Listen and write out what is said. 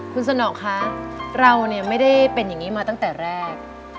คุณสนองคะเราเนี่ยไม่ได้เป็นอย่างนี้มาตั้งแต่แรก